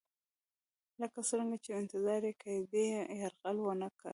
لکه څرنګه چې انتظار یې کېدی یرغل ونه کړ.